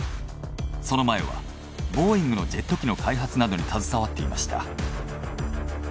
その前はボーイングのジェット機の開発などに携わっていました。